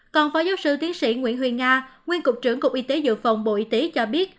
còn phó giáo sư tiến sĩ nguyễn huyền nga nguyên cục trưởng cục y tế dự phòng bộ y tế cho biết